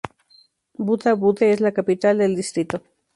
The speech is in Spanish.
Butha-Buthe es la capital del distrito.